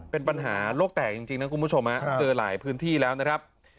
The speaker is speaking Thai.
เป็นปัญหาโลกแตกจริงนะคุณผู้ชมเจอหลายพื้นที่แล้วนะครับ